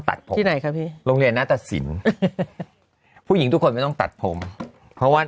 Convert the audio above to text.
ครับลงเรียนนัตรศิลป์ผู้หญิงทุกคนไม่ต้องตัดผมเพราะว่า